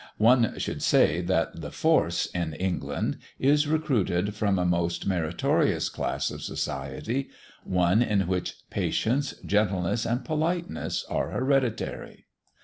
One should say, that the "force" in England is recruited from a most meritorious class of society, one in which patience, gentleness, and politeness are hereditary.